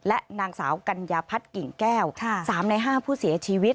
และนางสาวกัญญาพัฒน์กิ่งแก้ว๓ใน๕ผู้เสียชีวิต